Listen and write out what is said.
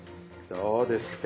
どうですか？